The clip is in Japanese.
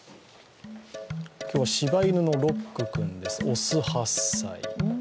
今日はしば犬のロック君です、雄、８歳。